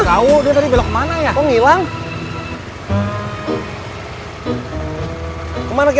sampai jumpa lagi